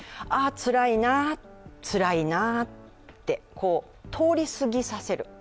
ああ、つらいな、つらいなって、通りすぎさせる。